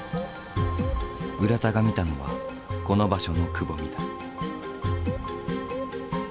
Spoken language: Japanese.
浦田が見たのはこの場所のくぼみだ。